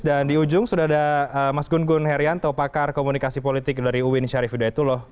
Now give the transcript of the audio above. dan di ujung sudah ada mas gun gun herianto pakar komunikasi politik dari uwin syarif udayatullah